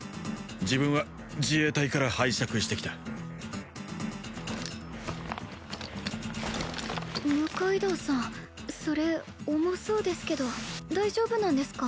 自分は自衛隊から拝借してきた六階堂さんそれ重そうですけど大丈夫なんですか？